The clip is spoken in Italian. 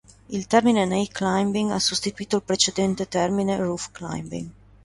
Il termine "night climbing" ha sostituito il precedente termine "roof climbing".